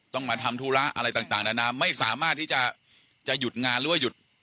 ต้องมาทำธุระอะไรต่างนานาไม่สามารถที่จะหยุดงานหรือว่าหยุด